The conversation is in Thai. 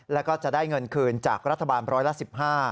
แล้วก็จะได้เงินคืนจากรัฐบาลร้อยละ๑๕